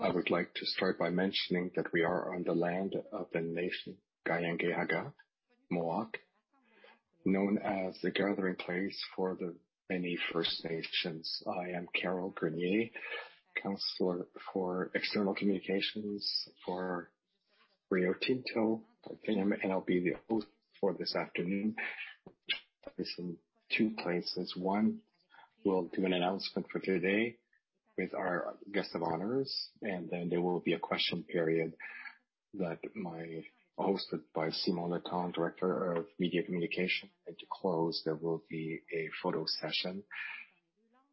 I would like to start by mentioning that we are on the land of the nation Kanien'kehá:ka Mohawk, known as the gathering place for the many First Nations. I am Carole Grenier, Counselor for External Communications for Rio Tinto, and I'll be the host for this afternoon. One, we'll do an announcement for today with our guest of honors, and then there will be a question period hosted by Simon Letendre, Director of Media Communication. To close, there will be a photo session.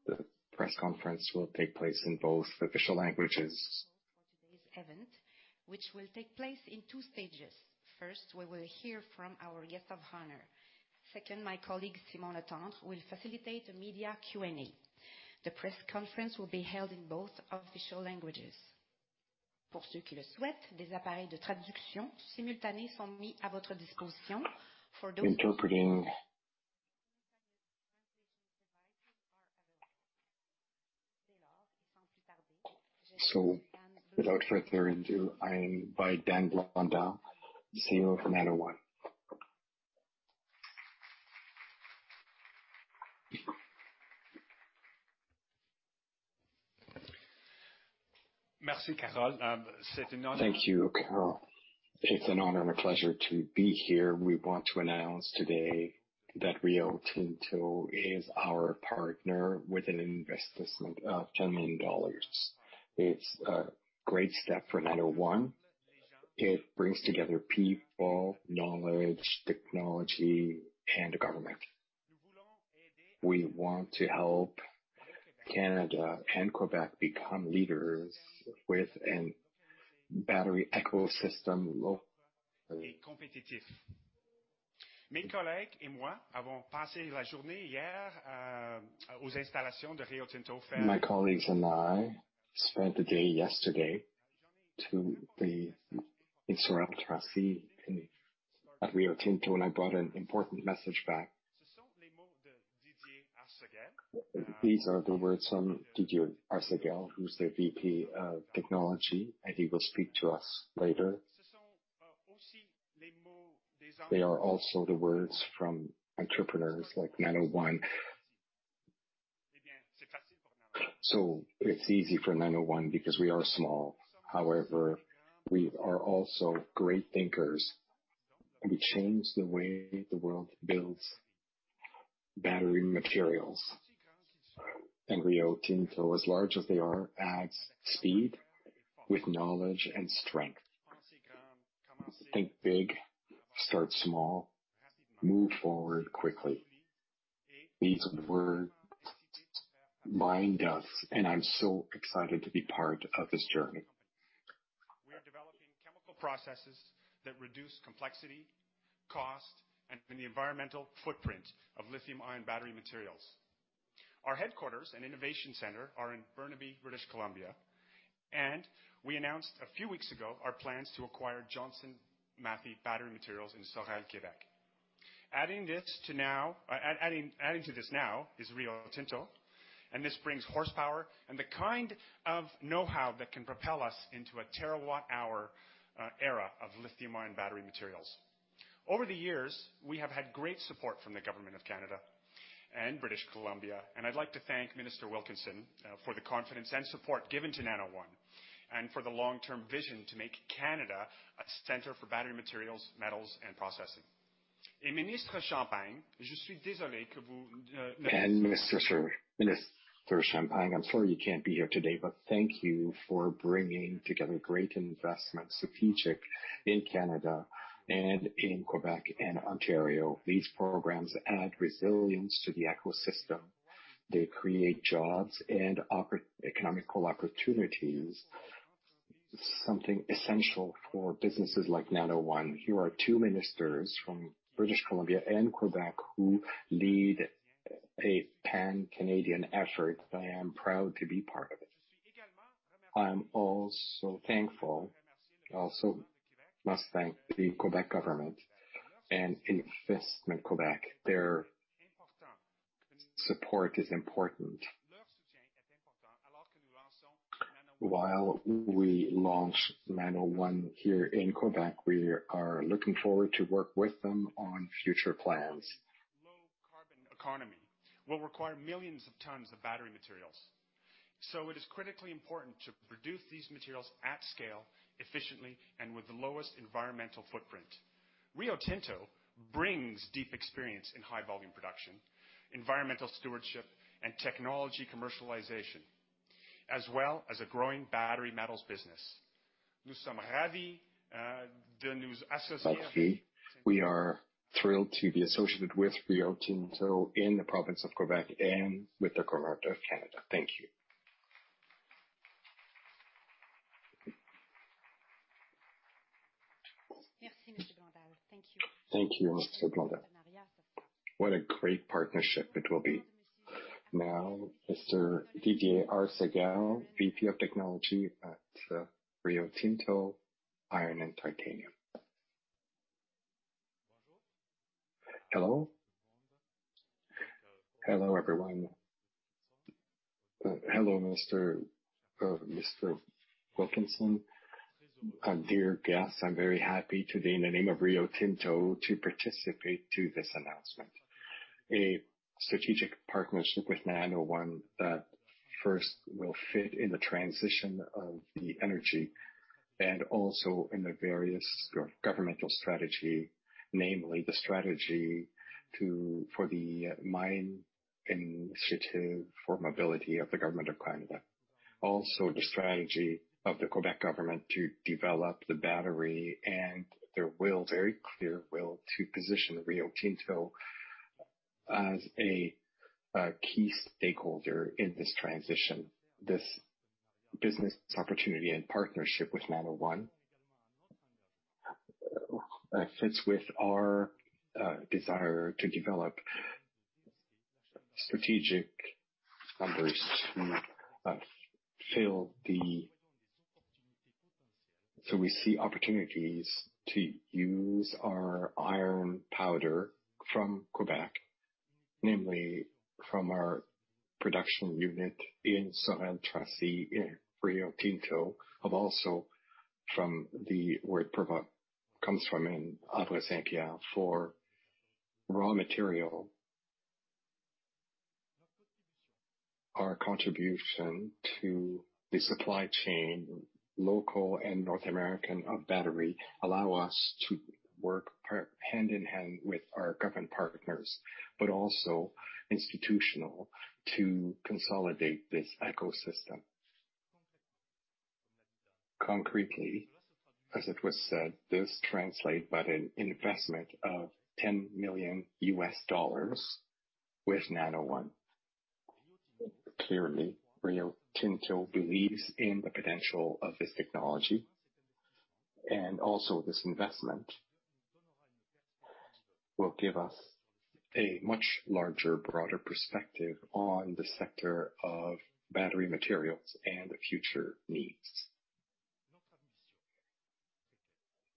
The press conference will take place in both official languages. For today's event, which will take place in two stages. First, we will hear from our guest of honor. Second, my colleague, Simon Letendre, will facilitate a media Q&A. The press conference will be held in both official languages. Interpreting. Without further ado, I invite Dan Blondal, CEO of Nano One. Thank you, Carole. It's an honor and a pleasure to be here. We want to announce today that Rio Tinto is our partner with an investment of $10 million. It's a great step for Nano One. It brings together people, knowledge, technology, and government. We want to help Canada and Quebec become leaders with a battery ecosystem. My colleagues and I spent the day yesterday at Rio Tinto, and I brought an important message back. These are the words from Didier Arséguel, who's their VP of Technology, and he will speak to us later. They are also the words from entrepreneurs like Nano One. It's easy for Nano One because we are small. However, we are also great thinkers. We change the way the world builds battery materials. Rio Tinto, as large as they are, adds speed with knowledge and strength. Think big, start small, move forward quickly. These words remind us, and I'm so excited to be part of this journey. We're developing chemical processes that reduce complexity, cost, and the environmental footprint of lithium-ion battery materials. Our headquarters and innovation center are in Burnaby, British Columbia, and we announced a few weeks ago our plans to acquire Johnson Matthey Battery Materials in Sorel, Quebec. Adding to this now is Rio Tinto, and this brings horsepower and the kind of know-how that can propel us into a terawatt-hour era of lithium-ion battery materials. Over the years, we have had great support from the government of Canada and British Columbia, and I'd like to thank Minister Wilkinson for the confidence and support given to Nano One and for the long-term vision to make Canada a center for battery materials, metals and processing. Minister Champagne, I'm sorry you can't be here today, but thank you for bringing together great investments strategic in Canada and in Quebec and Ontario. These programs add resilience to the ecosystem. They create jobs and economical opportunities, something essential for businesses like Nano One. Here are two ministers from British Columbia and Quebec who lead a Pan-Canadian effort. I am proud to be part of it. I am also thankful, I also must thank the Quebec government and Investissement Québec. Their support is important. While we launch Nano One here in Quebec, we are looking forward to work with them on future plans. Low-carbon economy will require millions of tons of battery materials, so it is critically important to produce these materials at scale efficiently and with the lowest environmental footprint. Rio Tinto brings deep experience in high-volume production, environmental stewardship, and technology commercialization, as well as a growing battery metals business. We are thrilled to be associated with Rio Tinto in the province of Québec and with the government of Canada. Thank you. Thank you. Thank you, Mr. Blondal. What a great partnership it will be. Now, Mr. Didier Arseguel, VP of Technology at Rio Tinto Iron and Titanium. Hello? Hello, everyone. Hello, Mr. Wilkinson. Dear guests, I'm very happy today in the name of Rio Tinto to participate to this announcement. A strategic partnership with Nano One that first will fit in the transition of the energy and also in the various governmental strategy, namely the strategy for the mine initiative for mobility of the government of Canada. Also, the strategy of the Quebec government to develop the battery and their very clear will to position Rio Tinto as a key stakeholder in this transition. This business opportunity and partnership with Nano One fits with our desire to develop strategic minerals to fill the. We see opportunities to use our iron powder from Québec, namely from our production unit in Sorel-Tracy in Rio Tinto, and also from where it comes from in Havre-Saint-Pierre for raw material. Our contribution to the supply chain, local and North American of battery, allow us to work hand in hand with our government partners, but also institutional to consolidate this ecosystem. Concretely, as it was said, this translate by an investment of $10 million with Nano One. Clearly, Rio Tinto believes in the potential of this technology, and also this investment will give us a much larger, broader perspective on the sector of battery materials and the future needs.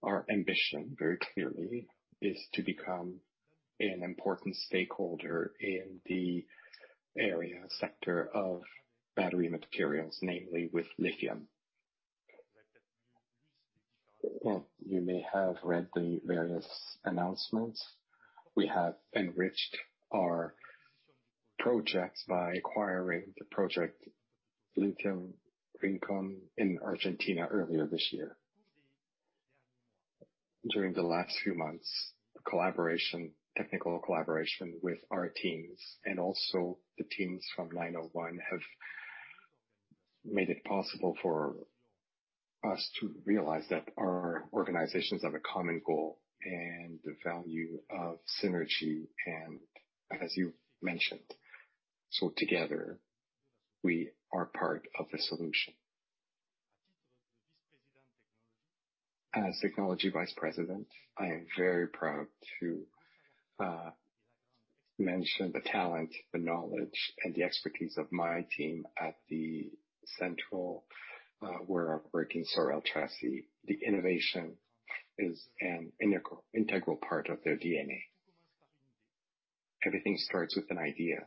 Our ambition, very clearly, is to become an important stakeholder in the area sector of battery materials, namely with lithium. You may have read the various announcements. We have enriched our projects by acquiring the Rincon Lithium Project in Argentina earlier this year. During the last few months, collaboration, technical collaboration with our teams and also the teams from Nano One have made it possible for us to realize that our organizations have a common goal and the value of synergy, and as you mentioned. Together, we are part of the solution. As Technology Vice President, I am very proud to mention the talent, the knowledge, and the expertise of my team at the central where I work in Sorel-Tracy. The innovation is an integral part of their DNA. Everything starts with an idea.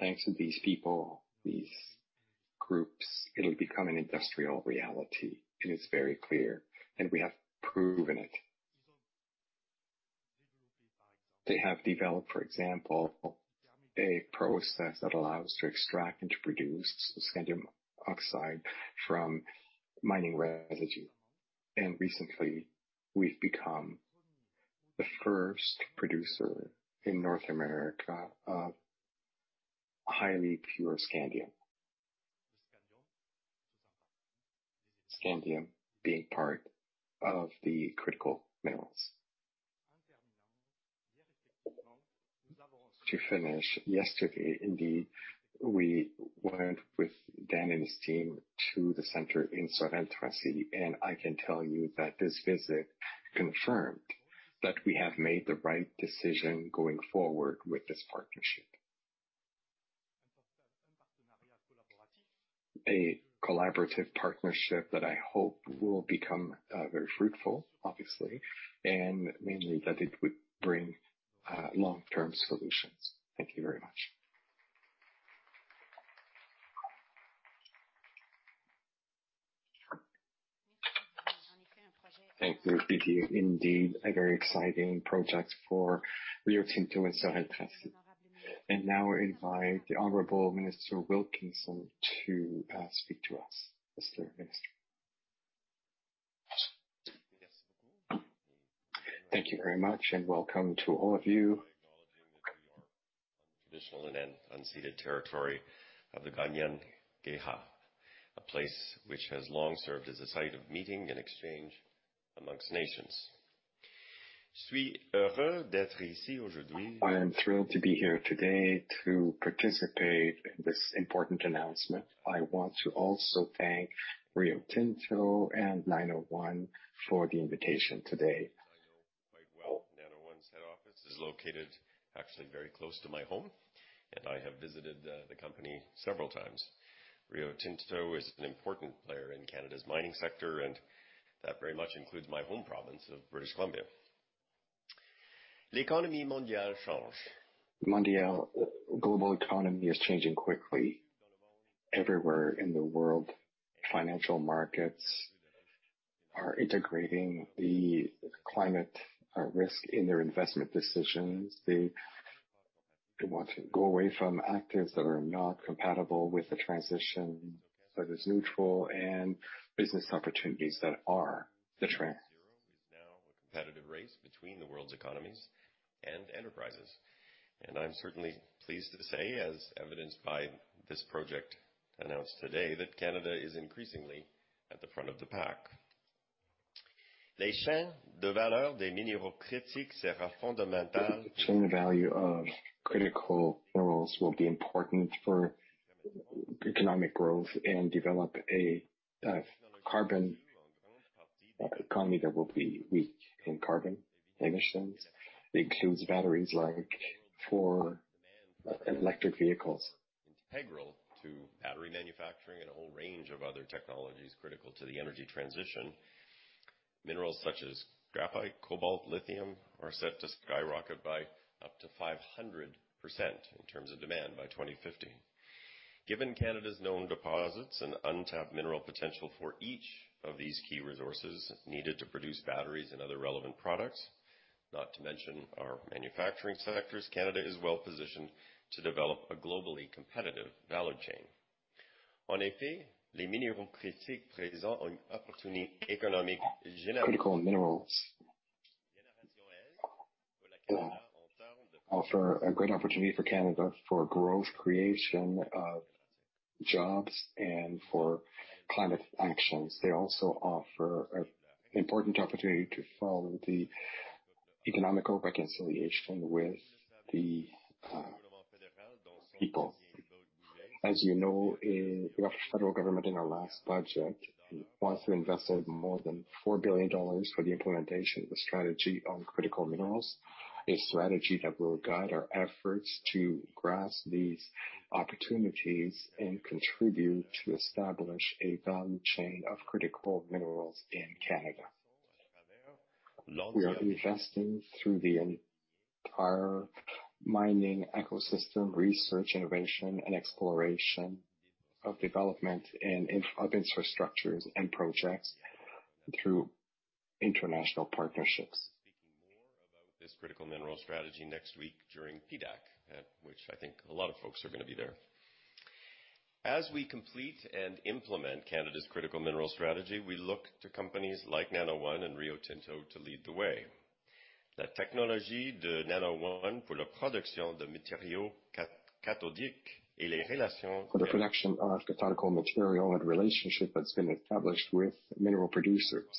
Thanks to these people, these groups, it'll become an industrial reality, and it's very clear, and we have proven it. They have developed, for example, a process that allows to extract and to produce scandium oxide from mining residue. Recently, we've become the first producer in North America of highly pure scandium. Scandium being part of the critical metals. To finish, yesterday, indeed, we went with Dan and his team to the center in Sorel-Tracy, and I can tell you that this visit confirmed that we have made the right decision going forward with this partnership. A collaborative partnership that I hope will become very fruitful, obviously, and mainly that it would bring long-term solutions. Thank you very much. Thank you. Indeed, a very exciting project for Rio Tinto and Sorel-Tracy. Now I invite the Honorable Minister Wilkinson to speak to us. Mr. Minister. Thank you very much, and welcome to all of you. Acknowledging that we are on traditional and unceded territory of the Kanien'kehá:ka, a place which has long served as a site of meeting and exchange among nations. I am thrilled to be here today to participate in this important announcement. I want to also thank Rio Tinto and Nano One for the invitation today. As I know quite well, Nano One's head office is located actually very close to my home, and I have visited the company several times. Rio Tinto is an important player in Canada's mining sector, and that very much includes my home province of British Columbia. L'économie mondiale change. Global economy is changing quickly. Everywhere in the world, financial markets are integrating the climate risk in their investment decisions. They want to go away from assets that are not compatible with the net-zero transition and business opportunities that are the trend. It's now a competitive race between the world's economies and enterprises. I'm certainly pleased to say, as evidenced by this project announced today, that Canada is increasingly at the front of the pack. Les chaînes de valeur des minéraux critiques sera fondamentale. The value chain of critical minerals will be important for economic growth and develop a low-carbon economy that will be low in carbon emissions. It includes batteries like for electric vehicles. Integral to battery manufacturing and a whole range of other technologies critical to the energy transition. Minerals such as graphite, cobalt, lithium are set to skyrocket by up to 500% in terms of demand by 2050. Given Canada's known deposits and untapped mineral potential for each of these key resources needed to produce batteries and other relevant products, not to mention our manufacturing sectors, Canada is well-positioned to develop a globally competitive value chain. En effet, les minéraux critiques présentent une opportunité économique. Critical minerals. offer a great opportunity for Canada for growth, creation of jobs, and for climate action. They also offer an important opportunity to follow the economic reconciliation with the people. As you know, our federal government in our last budget wants to invest more than 4 billion dollars for the implementation of the strategy on critical minerals, a strategy that will guide our efforts to grasp these opportunities and contribute to establish a value chain of critical minerals in Canada. We are investing through the entire mining ecosystem, research, innovation, and exploration, development, and infrastructure of projects through international partnerships. Speaking more about this critical mineral strategy next week during PDAC, at which I think a lot of folks are gonna be there. As we complete and implement Canada's critical mineral strategy, we look to companies like Nano One and Rio Tinto to lead the way. La technologie de Nano One pour la production de matériaux cathodiques et les relations- For the production of cathode material and relationship that's been established with mineral producers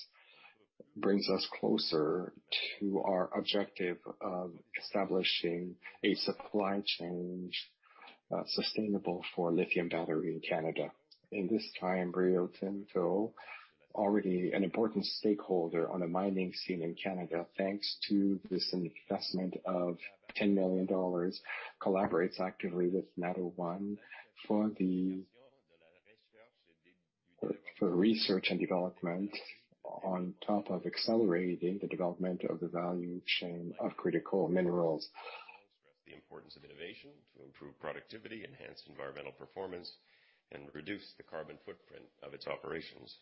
brings us closer to our objective of establishing a supply chain sustainable for lithium battery in Canada. At this time, Rio Tinto, already an important stakeholder on the mining scene in Canada, thanks to this investment of $10 million, collaborates actively with Nano One for research and development on top of accelerating the development of the value chain of critical minerals. Long stressed the importance of innovation to improve productivity, enhance environmental performance, and reduce the carbon footprint of its operations.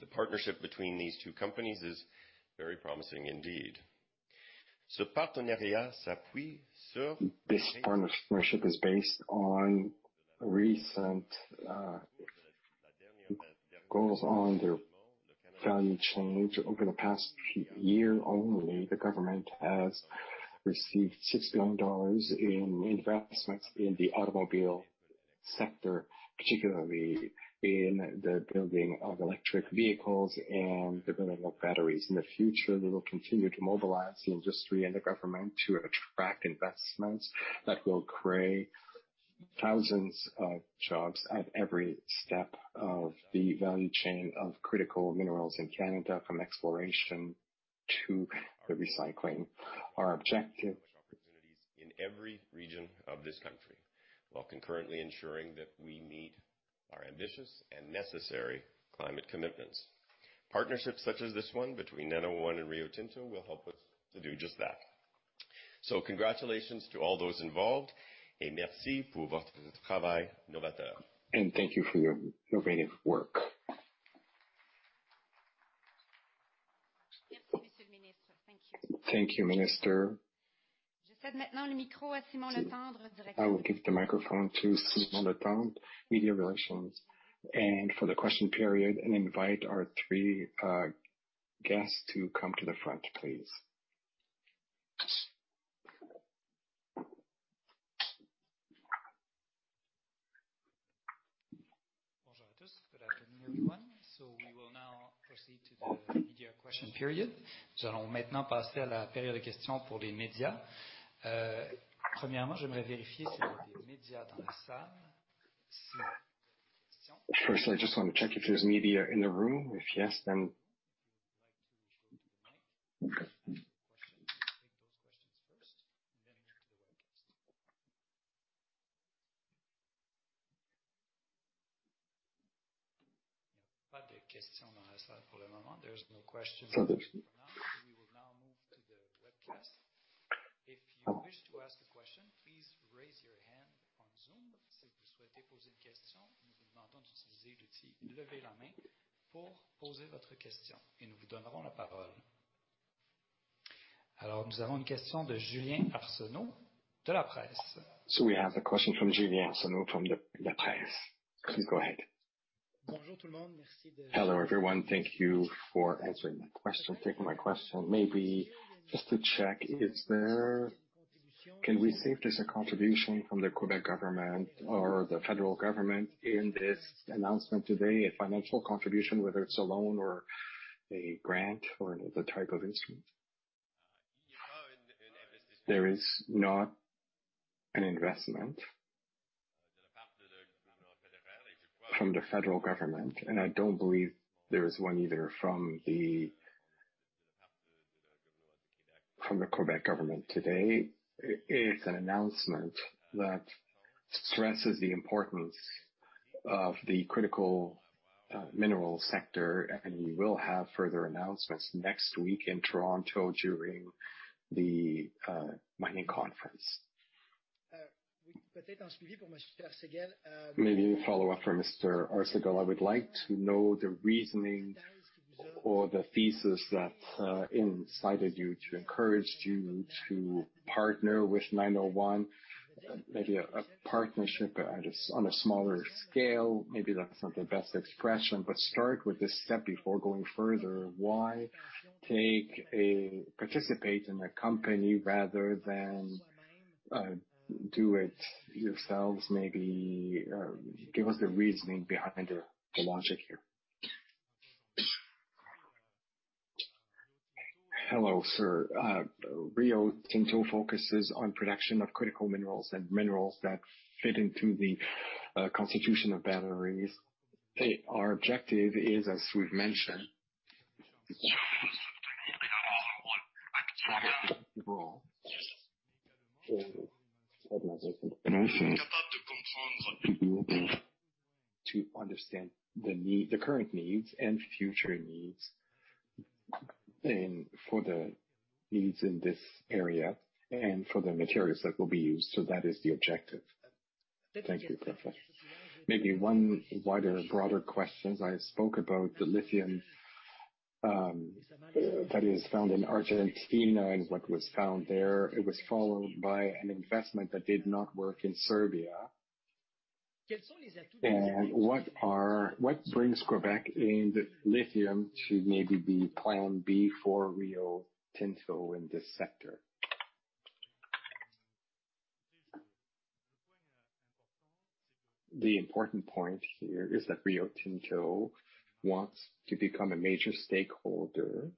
The partnership between these two companies is very promising indeed. Ce partenariat s'appuie sur. This partnership is based on recent goals on their value chain. Over the past year only, the government has received $60 million in investments in the automobile sector, particularly in the building of electric vehicles and the building of batteries. In the future, we will continue to mobilize the industry and the government to attract investments that will create thousands of jobs at every step of the value chain of critical minerals in Canada, from exploration to the recycling. Opportunities in every region of this country, while concurrently ensuring that we meet our ambitious and necessary climate commitments. Partnerships such as this one between Nano One and Rio Tinto will help us to do just that. Congratulations to all those involved. Merci pour votre travail novateur. Thank you for your innovative work. Merci, Monsieur le Ministre. Thank you. Thank you, Minister. Je cède maintenant le micro à Simon Letendre. I will give the microphone to Simon Letendre, Media Relations, and for the question period, and invite our three guests to come to the front, please. Bonjour à tous. Good afternoon, everyone. We will now proceed to the media question period. Nous allons maintenant passer à la période de questions pour les médias. Premièrement, j'aimerais vérifier s'il y a des médias dans la salle. First, I just want to check if there's media in the room. If yes, then. If you would like to go to the mic and ask a question, take those questions first, and then we'll go to the webcast. There's no questions for now. Okay. We will now move to the webcast. If you wish to ask a question, please raise your hand on Zoom. We have a question from Julien Arsenault from the La Presse. Please go ahead. Hello, everyone. Thank you for answering my question, taking my question. Maybe just to check, can we say if there's a contribution from the Québec government or the federal government in this announcement today, a financial contribution, whether it's a loan or a grant or another type of instrument? There is not an investment from the federal government, and I don't believe there is one either from the Québec government today. It is an announcement that stresses the importance of the critical mineral sector, and we will have further announcements next week in Toronto during the mining conference. Maybe a follow-up for Mr. Arseguel. I would like to know the reasoning or the thesis that encouraged you to partner with Nano One. Maybe a partnership on a smaller scale. Maybe that's not the best expression, but start with this step before going further. Why participate in a company rather than do it yourselves? Maybe give us the reasoning behind the logic here. Hello, sir. Rio Tinto focuses on production of critical minerals and minerals that fit into the composition of batteries. Our objective is, as we've mentioned, to understand the need, the current needs and future needs and for the needs in this area and for the materials that will be used. So that is the objective. Thank you. Maybe one wider, broader question. I spoke about the lithium that is found in Argentina and what was found there. It was followed by an investment that did not work in Serbia. What brings Quebec in the lithium to maybe be plan B for Rio Tinto in this sector? The important point here is that Rio Tinto wants to become a major stakeholder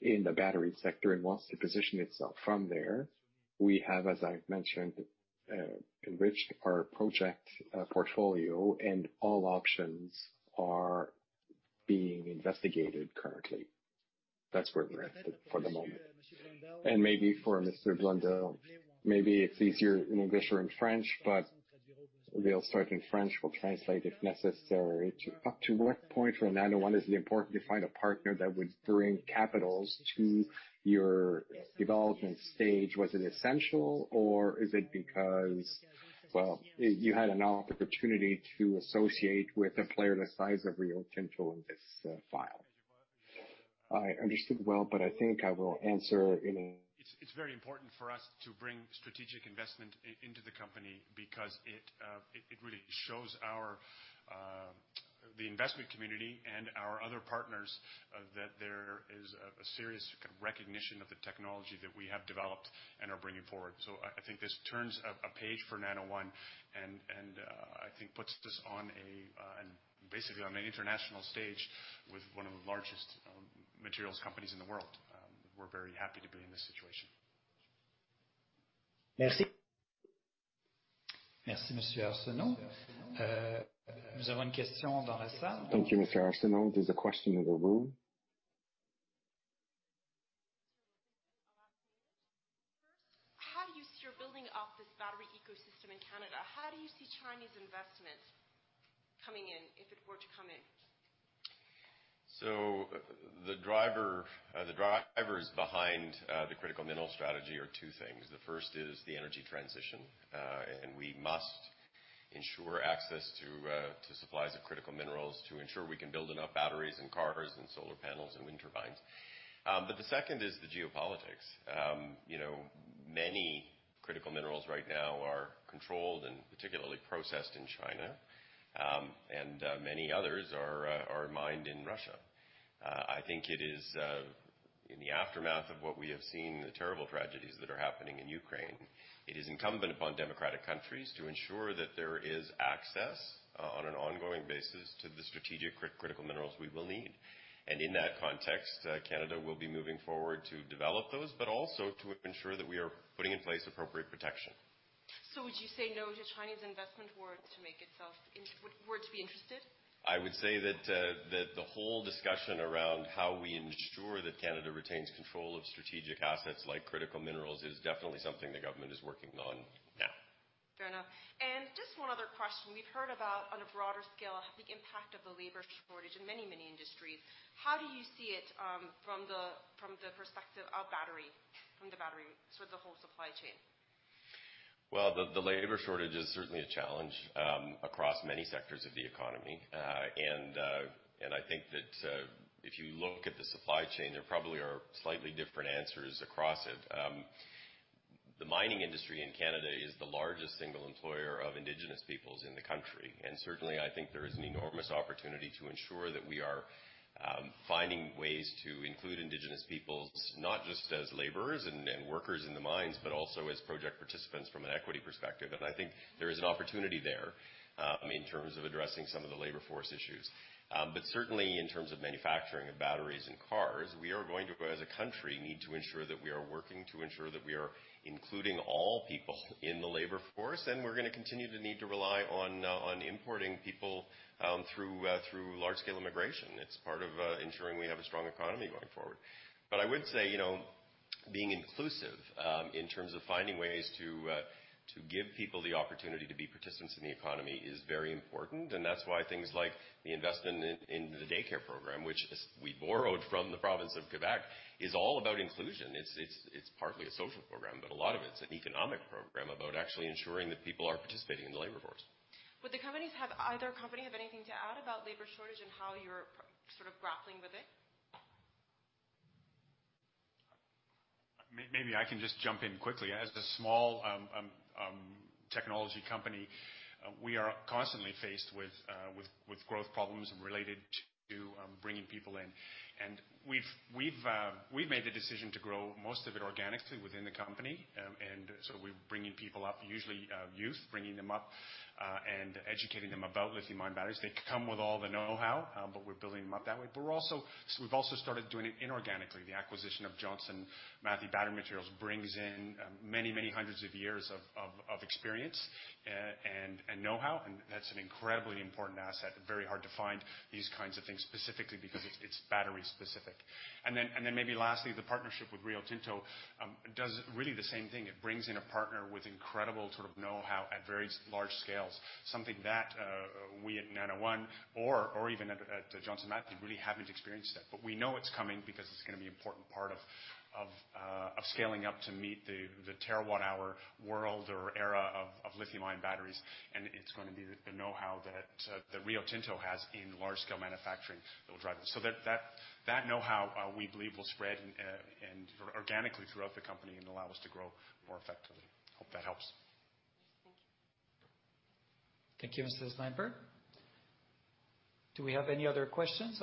in the battery sector and wants to position itself from there. We have, as I've mentioned, enriched our project portfolio, and all options are being investigated currently. That's where we're at for the moment. Maybe for Mr. Blondal, maybe it's easier in English or in French, but we'll start in French. We'll translate if necessary. Up to what point for Nano One is it important to find a partner that would bring capitals to your development stage? Was it essential, or is it because, well, you had an opportunity to associate with a player the size of Rio Tinto in this file? It's very important for us to bring strategic investment into the company because it really shows to the investment community and our other partners that there is a serious kind of recognition of the technology that we have developed and are bringing forward. I think this turns a page for Nano One and I think puts this basically on an international stage with one of the largest materials companies in the world. We're very happy to be in this situation. Merci. Merci, Mr. Arsenault. We have a question in the room. Thank you, Mr. Arsenault. There's a question in the room. First, how do you see you're building out this battery ecosystem in Canada? How do you see Chinese investments coming in, if it were to come in? The drivers behind the critical mineral strategy are two things. The first is the energy transition, and we must ensure access to supplies of critical minerals to ensure we can build enough batteries and cars and solar panels and wind turbines. The second is the geopolitics. You know, many critical minerals right now are controlled and particularly processed in China, and many others are mined in Russia. I think it is in the aftermath of what we have seen, the terrible tragedies that are happening in Ukraine, it is incumbent upon democratic countries to ensure that there is access on an ongoing basis to the strategic critical minerals we will need. In that context, Canada will be moving forward to develop those, but also to ensure that we are putting in place appropriate protection. Would you say no to Chinese investment were to be interested? I would say that the whole discussion around how we ensure that Canada retains control of strategic assets like critical minerals is definitely something the government is working on now. Fair enough. Just one other question. We've heard about, on a broader scale, the impact of the labor shortage in many industries. How do you see it from the perspective of the battery, so the whole supply chain? Well, the labor shortage is certainly a challenge across many sectors of the economy. I think that if you look at the supply chain, there probably are slightly different answers across it. The mining industry in Canada is the largest single employer of Indigenous peoples in the country. Certainly, I think there is an enormous opportunity to ensure that we are finding ways to include Indigenous peoples, not just as laborers and workers in the mines, but also as project participants from an equity perspective. I think there is an opportunity there in terms of addressing some of the labor force issues. Certainly, in terms of manufacturing of batteries and cars, we are going to, as a country, need to ensure that we are working to ensure that we are including all people in the labor force, and we're gonna continue to need to rely on importing people through large scale immigration. It's part of ensuring we have a strong economy going forward. I would say, you know, being inclusive in terms of finding ways to give people the opportunity to be participants in the economy is very important, and that's why things like the investment in the daycare program, which we borrowed from the province of Quebec, is all about inclusion. It's partly a social program, but a lot of it's an economic program about actually ensuring that people are participating in the labor force. Would either company have anything to add about labor shortage and how you're sort of grappling with it? Maybe I can just jump in quickly. As a small technology company, we are constantly faced with growth problems related to bringing people in. We've made the decision to grow most of it organically within the company. We're bringing people up, usually youth, bringing them up and educating them about lithium-ion batteries. They come with all the know-how, but we're building them up that way. We've also started doing it inorganically. The acquisition of Johnson Matthey Battery Materials brings in many hundreds of years of experience and know-how, and that's an incredibly important asset, very hard to find these kinds of things, specifically because it's battery specific. Maybe lastly, the partnership with Rio Tinto does really the same thing. It brings in a partner with incredible sort of know-how at very large scales. Something that we at Nano One or even at Johnson Matthey really haven't experienced that. We know it's coming because it's gonna be an important part of scaling up to meet the terawatt-hour world or era of lithium-ion batteries. It's gonna be the know-how that Rio Tinto has in large scale manufacturing that will drive it. That know-how we believe will spread organically throughout the company and allow us to grow more effectively. Hope that helps. Thank you. Thank you, Mr. Blondal. Do we have any other questions?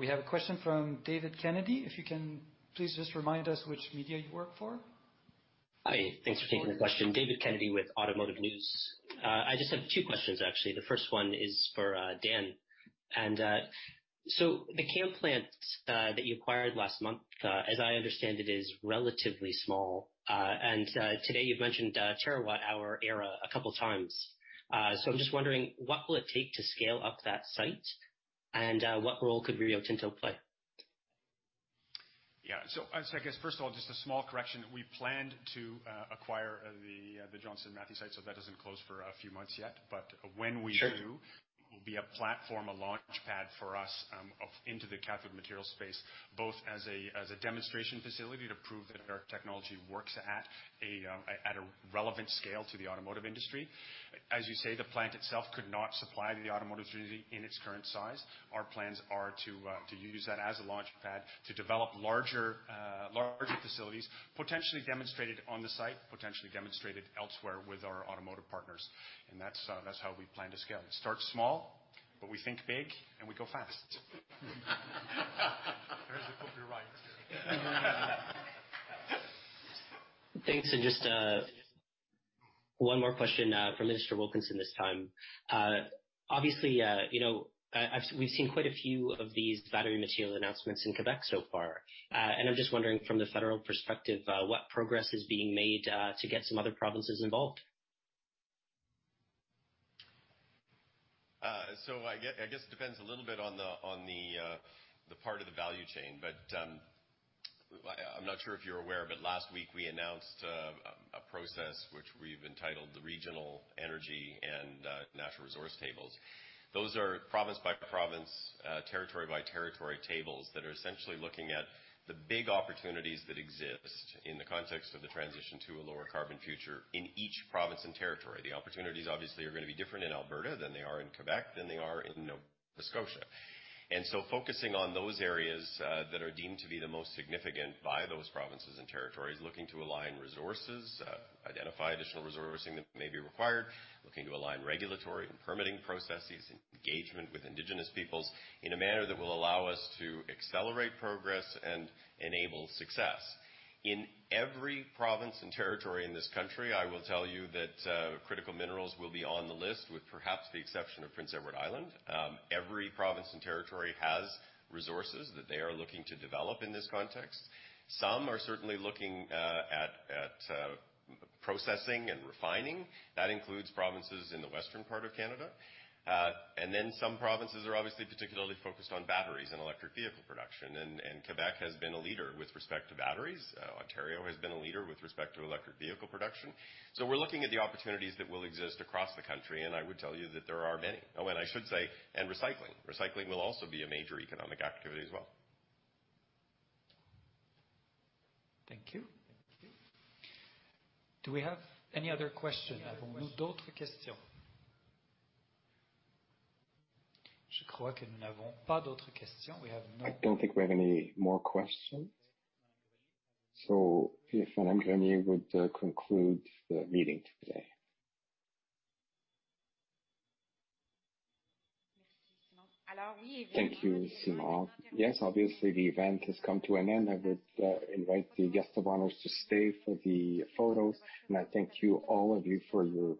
We have a question from David Kennedy. If you can please just remind us which media you work for. Hi. Thanks for taking the question. David Kennedy with Automotive News. I just have two questions, actually. The first one is for Dan. The CAM plant that you acquired last month, as I understand it, is relatively small. Today you've mentioned terawatt-hour era a couple times. I'm just wondering, what will it take to scale up that site? What role could Rio Tinto play? Yeah. I guess, first of all, just a small correction. We planned to acquire the Johnson Matthey site, so that doesn't close for a few months yet. When we do- Sure. It will be a platform, a launch pad for us into the cathode material space, both as a demonstration facility to prove that our technology works at a relevant scale to the automotive industry. As you say, the plant itself could not supply the automotive industry in its current size. Our plans are to use that as a launch pad to develop larger facilities, potentially demonstrated on the site, potentially demonstrated elsewhere with our automotive partners. That's how we plan to scale. Start small, but we think big, and we go fast. There's the copyright. Thanks. Just one more question for Minister Wilkinson this time. Obviously, you know, we've seen quite a few of these battery material announcements in Quebec so far. I'm just wondering from the federal perspective what progress is being made to get some other provinces involved? I guess it depends a little bit on the part of the value chain. I'm not sure if you're aware, but last week we announced a process which we've entitled the Regional Energy and Resource Tables. Those are province by province, territory by territory tables that are essentially looking at the big opportunities that exist in the context of the transition to a lower carbon future in each province and territory. The opportunities, obviously, are gonna be different in Alberta than they are in Quebec, than they are in Nova Scotia. Focusing on those areas that are deemed to be the most significant by those provinces and territories, looking to align resources, identify additional resourcing that may be required, looking to align regulatory and permitting processes, engagement with Indigenous peoples in a manner that will allow us to accelerate progress and enable success. In every province and territory in this country, I will tell you that critical minerals will be on the list, with perhaps the exception of Prince Edward Island. Every province and territory has resources that they are looking to develop in this context. Some are certainly looking at processing and refining. That includes provinces in the western part of Canada. Some provinces are obviously particularly focused on batteries and electric vehicle production. Québec has been a leader with respect to batteries. Ontario has been a leader with respect to electric vehicle production. We're looking at the opportunities that will exist across the country, and I would tell you that there are many. Recycling will also be a major economic activity as well. Thank you. Do we have any other questions? I don't think we have any more questions. If Madame Grenier would conclude the meeting today. Thank you, Simon. Yes, obviously the event has come to an end. I would invite the guests of honor to stay for the photos. I thank you, all of you, for your